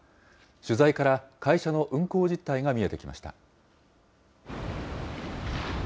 取材から会社の運航実態が見えてきました。